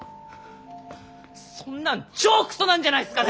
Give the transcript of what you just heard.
そんなん超クソなんじゃないすかね！？